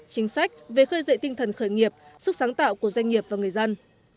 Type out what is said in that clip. chính sách về khơi dậy tinh thần khởi nghiệp sức sáng tạo của doanh nghiệp và người dân